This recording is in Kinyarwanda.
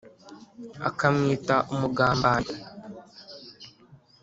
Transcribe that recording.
akamwita umugambanyi.